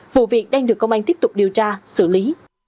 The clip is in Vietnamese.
vụ việc đang được công an tiếp tục điều tra xử lý